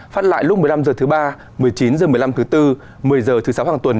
phát lại lúc một mươi năm h thứ ba một mươi chín h một mươi năm thứ tư một mươi h thứ sáu hàng tuần